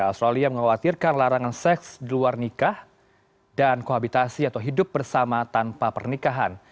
australia mengkhawatirkan larangan seks di luar nikah dan kohabitasi atau hidup bersama tanpa pernikahan